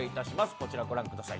こちらご覧ください